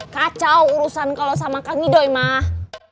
kacau urusan kalau sama kang ido mah